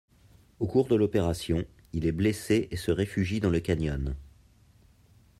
Au cours de l'opération, il est blessé et se réfugie dans le canyon.